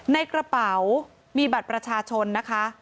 ในกระเป๋ามีบัตรประชาชนนะคะ